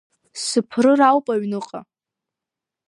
Сыԥрыр ауп аҩныҟа!